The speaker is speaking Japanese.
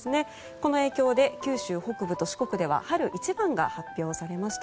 この影響で九州北部と四国では春一番が発表されました。